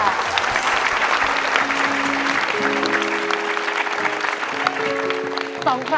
สวัสดีครับ